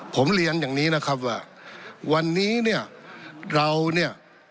ผมเรียนอย่างนี้นะครับว่าวันนี้เนี่ยเราเนี่ย